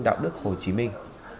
đạo đức hồ chí minh